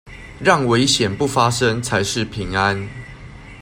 讓危險不發生才是平安